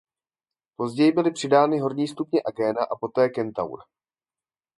Později byly přidány horní stupně Agena a poté Centaur.